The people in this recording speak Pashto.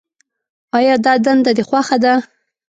آیا دا دنده دې خوښه ده.